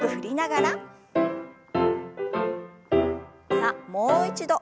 さあもう一度。